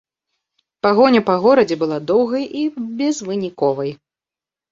Пагоня па горадзе была доўгай і безвыніковай.